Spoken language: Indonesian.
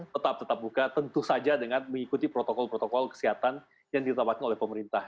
tetap tetap buka tentu saja dengan mengikuti protokol protokol kesehatan yang ditetapkan oleh pemerintah